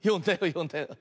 よんだよね？